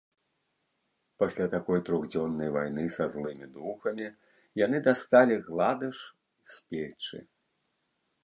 Пасля такой трохдзённай вайны са злымі духамі яны дасталі гладыш з печы.